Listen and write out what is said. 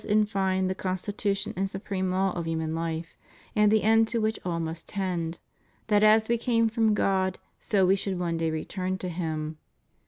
in fine the constitution and supreme law of human life, and the end to which all must tend, that as we came from God so we should one day return to Him.